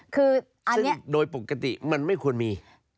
ซึ่งโดยปกติมันไม่ควรมี